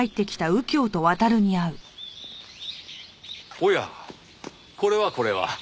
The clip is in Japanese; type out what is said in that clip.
おやこれはこれは。